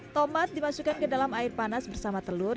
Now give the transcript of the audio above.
tomat dimasukkan ke dalam air panas bersama telur